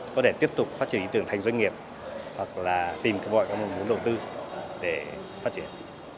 có thể tiếp tục phát triển ý tưởng thành doanh nghiệp hoặc là tìm cơ bội có muốn đầu tư để phát triển